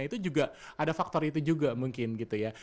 itu juga ada faktor itu juga mungkin gitu ya